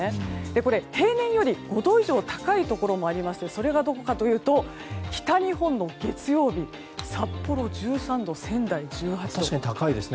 これ平年より５度以上高いところもありましてそれがどこかというと北日本の月曜日、札幌１３度仙台１８度と。